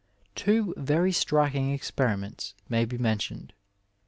Two very striking experiments may be mentioned.